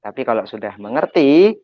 tapi kalau sudah mengerti